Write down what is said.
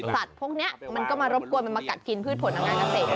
พวกนี้มันก็มารบกวนมันมากัดกินพืชผลทำงานเกษตร